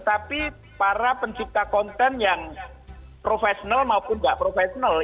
tapi para pencipta konten yang profesional maupun nggak profesional